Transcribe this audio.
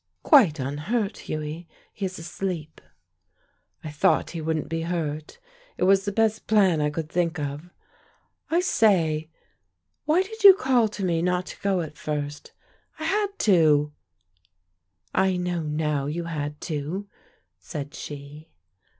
"Quite unhurt, Hughie. He is asleep." "I thought he wouldn't be hurt. It was the best plan I could think of. I say, why did you call to me not to go at first? I had to." "I know now you had to," said she.